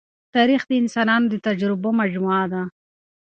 تاریخ د انسانانو د تجربو مجموعه ده.